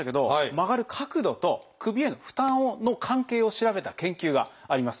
曲がる角度と首への負担の関係を調べた研究があります。